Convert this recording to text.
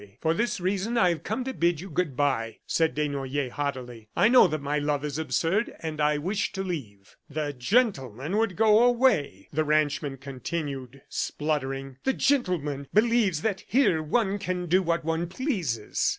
"For this reason I have come to bid you good bye," said Desnoyers haughtily. "I know that my love is absurd, and I wish to leave." "The gentleman would go away," the ranchman continued spluttering. "The gentleman believes that here one can do what one pleases!